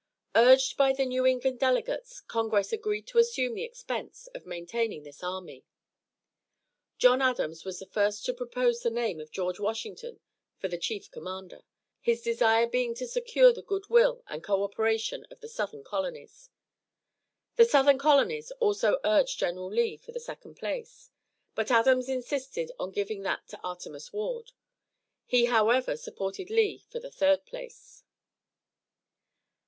Urged by the New England delegates, congress agreed to assume the expense of maintaining this army. John Adams was the first to propose the name of George Washington for the chief commander; his desire being to secure the good will and co operation of the southern colonies. The southern colonies also urged General Lee for the second place, but Adams insisted on giving that to Artemas Ward, he, however, supported Lee for the third place.